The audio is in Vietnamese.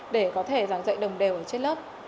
để có thể giảng dạy đồng đều ở trên lớp